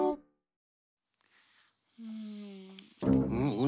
うん。